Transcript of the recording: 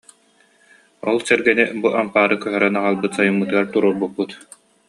Ол сэргэни бу ампаары көһөрөн аҕалбыт сайыммытыгар туруорбуппут